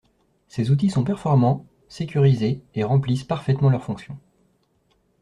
Ces outils sont performants, sécurisés, et remplissent parfaitement leurs fonctions